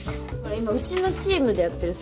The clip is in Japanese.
今うちのチームでやってるさ